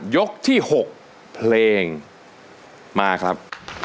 ยกที่๖เพลงมาครับ